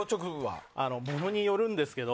ものによるんですけど